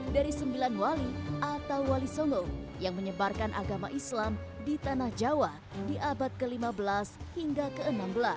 dari sembilan wali atau wali solo yang menyebarkan agama islam di tanah jawa di abad ke lima belas hingga ke enam belas